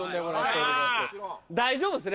大丈夫っすね？